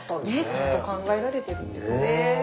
ねちゃんと考えられてるんですね。